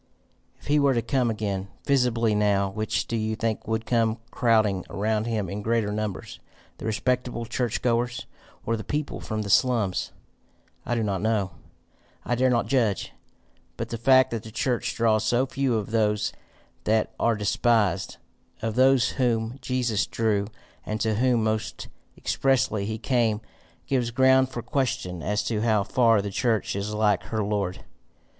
"If he were to come again, visibly, now, which do you think would come crowding around him in greater numbers the respectable church goers, or the people from the slums? I do not know. I dare not judge. But the fact that the church draws so few of those that are despised, of those whom Jesus drew and to whom most expressly he came, gives ground for question as to how far the church is like her Lord.